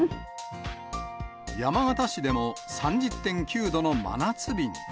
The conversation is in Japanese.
山形市でも３０．９度の真夏日に。